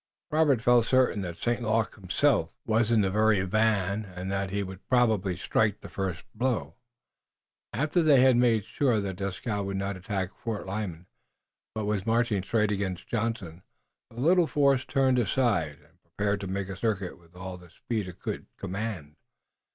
Robert felt certain that St. Luc himself was in the very van and that he would probably strike the first blow. After they had made sure that Dieskau would not attack Fort Lyman, but was marching straight against Johnson, the little force turned aside, and prepared to make a circuit with all the speed it could command.